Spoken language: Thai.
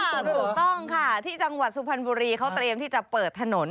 ถูกต้องค่ะที่จังหวัดสุพรรณบุรีเขาเตรียมที่จะเปิดถนน